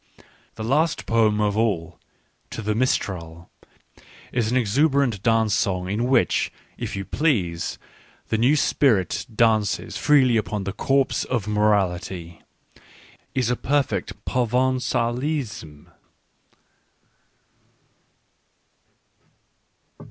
The last poem of all ," To the Mistral," — an exuberant dance song in which, if you please, the new spirit dances freely upon the corpse of morality, — is a perfect Provengalism.